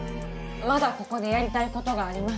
まだここでやりたいことがあります。